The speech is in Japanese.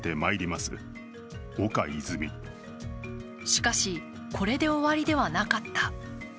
しかし、これで終わりではなかった。